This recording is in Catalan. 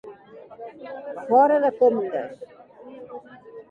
Fora de comptes.